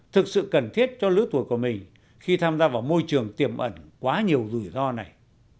thực sự cần thiết cho lứa tuổi của mình khi tham gia vào môi trường tiềm ẩn quá nhiều rủi ro này